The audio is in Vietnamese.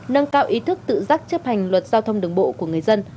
nâng cao ý thức tự giác chấp hành luật giao thông đường bộ của người dân